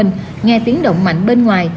nghe tiếng động mạnh bên ngoài